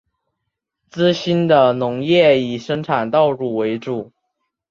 资兴的农业以生产稻谷为主。